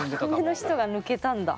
要の人が抜けたんだ。